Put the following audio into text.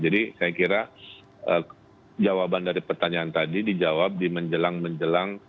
jadi saya kira jawaban dari pertanyaan tadi dijawab di menjelang menjelang